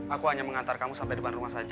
aku hanya mengantar kamu sampai depan rumah saja